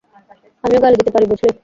আমিও গালি দিতে পারি বুঝলি!